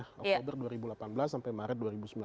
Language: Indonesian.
oktober dua ribu delapan belas sampai maret dua ribu sembilan belas